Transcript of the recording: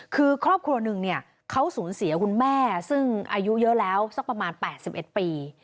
คือครอบครัวหนึ่งเนี่ยเขาสูญเสียคุณแม่ซึ่งอายุเยอะแล้วสักประมาณ๘๑ปี